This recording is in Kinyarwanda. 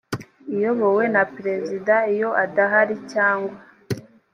iyobowe na perezida iyo adahari cyangwa